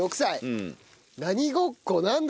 何ごっこなんだろうな？